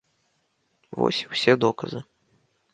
Вось і ўсе доказы.